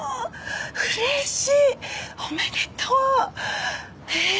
うれしいおめでとうええー